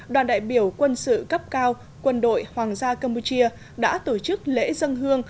đoàn đại biểu quân sự cấp cao quân đội hoàng gia campuchia đã tổ chức lễ dân hương